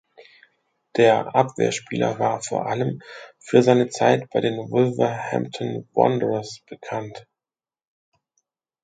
Der Abwehrspieler war vor allem für seine Zeit bei den Wolverhampton Wanderers bekannt.